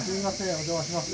お邪魔します。